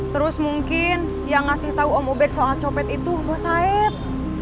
terus mungkin yang ngasih tau om ubed soal copet itu bos saeb